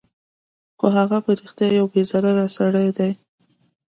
خو هغه په رښتیا یو بې ضرره سړی دی